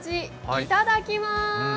いただきます。